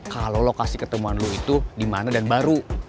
kalau lo kasih ketemuan lo itu dimana dan baru